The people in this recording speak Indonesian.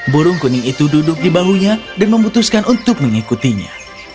burung kuning itu duduk di bahunya dan memutuskan untuk mengikutinya